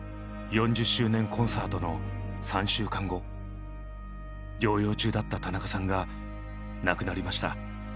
４０周年コンサートの３週間後療養中だった田中さんが亡くなりました。